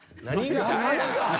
何が？